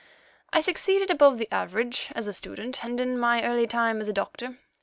I succeeded above the average as a student, and in my early time as a doctor.